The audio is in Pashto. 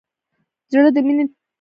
زړه د مینې ټیکری دی.